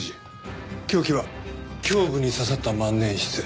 凶器は胸部に刺さった万年筆。